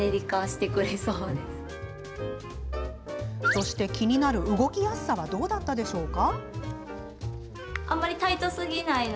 そして、気になる動きやすさはどうだったでしょうか？